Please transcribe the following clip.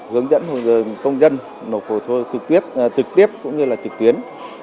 hướng dẫn hồ sơ công dân nộp hồ sơ thực tiết cũng như là trực tuyến